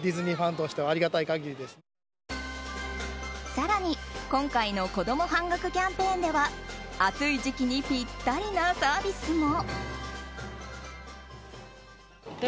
更に今回の子供半額キャンペーンでは暑い時期にぴったりなサービスも。